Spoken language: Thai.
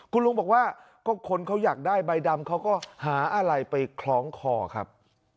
คุณลุงบอกว่าก็คนเขาอยากได้ใบดำเขาก็หาอะไรไปคล้องคอครับ